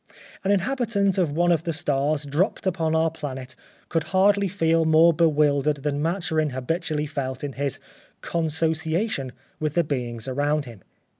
... An inhabitant of one of the stars dropped upon our planet could hardly feel more bewildered than Maturin habitually felt in his consociation with the beings around him.